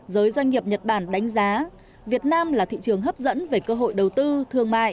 giới doanh nghiệp nhật bản đánh giá việt nam là thị trường hấp dẫn về cơ hội đầu tư thương mại